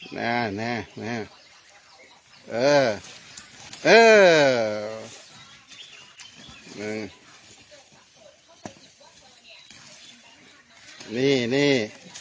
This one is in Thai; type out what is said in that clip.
น่าน่าน่าเออเออนี่นี่